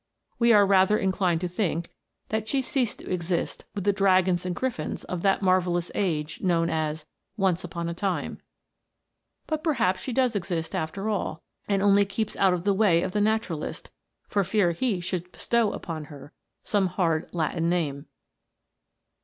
We are rather inclined to think that she ceased to exist with the dragons and griffins of that marvellous age known as "once upon a time." But perhaps she does exist after all, and only keeps out of the way of the naturalist, for fear he should * Serpulse. t Balanus, or Acorn shell. THE MERMAID'S HOME. 127 bestow upon her some hard Latin name.